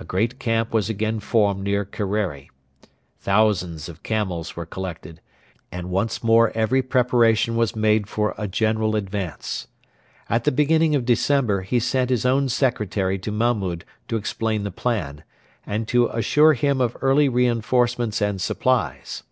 A great camp was again formed near Kerreri. Thousands of camels were collected, and once more every preparation was made for a general advance. At the beginning of December he sent his own secretary to Mahmud to explain the plan, and to assure him of early reinforcements and supplies.